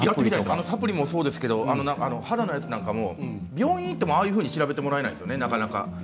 サプリもそうですけど肌のやつなんかも病院に行っても調べてもらえないですよね。